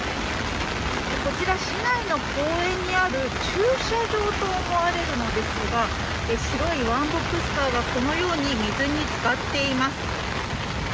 こちら、市内の公園にある駐車場と思われるのですが白いワンボックスカーがこのように水に浸かっています。